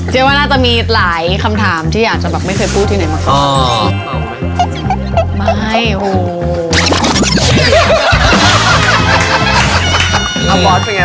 ว่าน่าจะมีหลายคำถามที่อยากจะแบบไม่เคยพูดที่ไหนมาก่อน